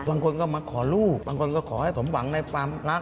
บางคนก็มาขอลูกบางคนก็ขอให้สมหวังในความรัก